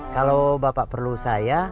kalau bapak perlu saya